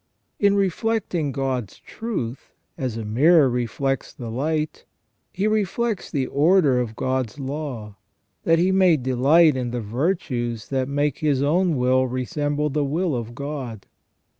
In reflecting God's truth, as a mirror reflects the light, he reflects the order of God's law, that he may delight in the virtues that make his own will resemble the will of God.